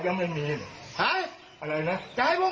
อาหารตายจริง